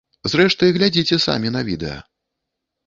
Зрэшты, глядзіце самі на відэа.